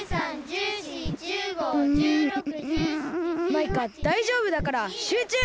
マイカだいじょうぶだからしゅうちゅう！